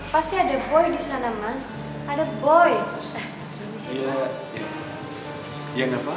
pasti ada boy disana mas